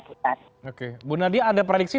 tetap oke bu nadia ada prediksi